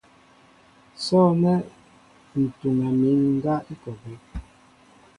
Sɔ̂nɛ́ ǹ tuŋɛ mín ŋgá i kɔ a bɛ́.